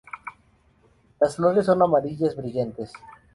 Las flores son amarillas brillantes.